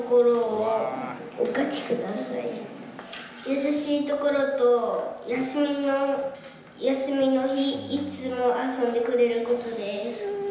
優しいところと、休みの日、いつも遊んでくれることです。